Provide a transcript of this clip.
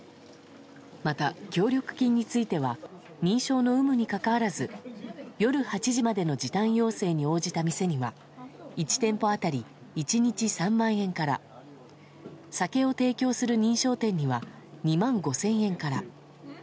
また、協力金については認証の有無にかかわらず夜８時までの時短要請に応じた店には１店舗当たり１日３万円から酒を提供する認証店には２万５０００円から。